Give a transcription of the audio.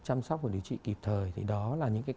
chăm sóc và điều trị kịp thời thì đó là những cái